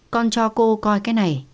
con cho cô coi cái này